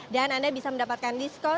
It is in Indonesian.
dan anda bisa mendapatkan diskon